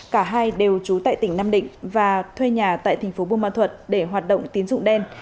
cả hai đều trú tại tỉnh nam định và thuê nhà tại tp bunma thuật để hoạt động tiến dụng đen